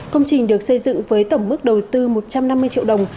công trình được xây dựng với tổng mức đầu tư một trăm năm mươi triệu đồng